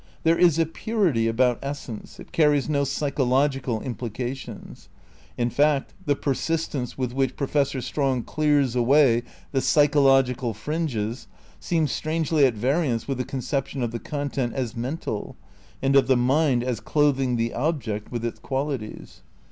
There is a purity about es sence, it carries no psychological implications. In fact the persistence with which Professor Strong clears away the psychological fringes seems strangely at variance with the conception of the content as "men tal," and of the mind as clothing the object with its qualities.